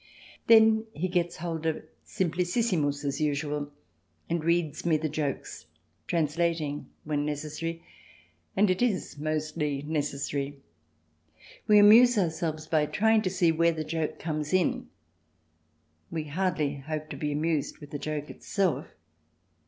Then he gets hold of " Simplicissimus " as usual, and reads me the jokes, translating when necessary, and it is mostly necessary. We amuse ourselves by trying to see where the joke comes in. We hardly hope to be amused with the joke itself.